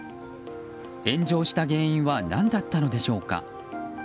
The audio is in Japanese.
炎上した原因は何だったのでしょうか。